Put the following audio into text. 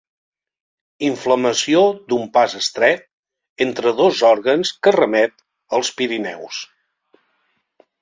Inflamació d'un pas estret entre dos òrgans que remet als Pirineus.